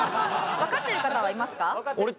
わかってる方はいますか？